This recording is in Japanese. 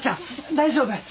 大丈夫？